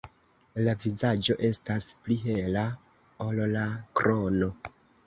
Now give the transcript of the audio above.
La vizaĝo estas pli hela ol la krono.